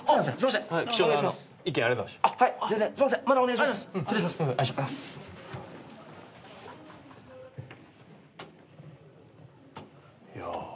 いや。